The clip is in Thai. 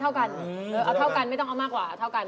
เท่ากันเอาเท่ากันไม่ต้องเอามากกว่าเอาเท่ากัน